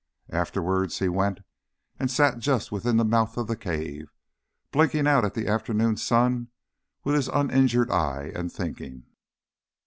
Afterwards he went and sat just within the mouth of the cave, blinking out at the afternoon sun with his uninjured eye, and thinking.